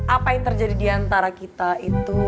apa yang terjadi diantara kita itu